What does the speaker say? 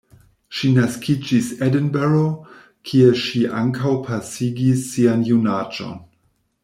Ŝi naskiĝis Edinburgh, kie ŝi ankaŭ pasigis sian junaĝon.